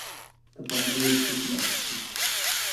To powoduje trudności